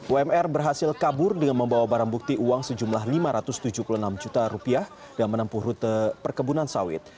umr berhasil kabur dengan membawa barang bukti uang sejumlah lima ratus tujuh puluh enam juta rupiah dan menempuh rute perkebunan sawit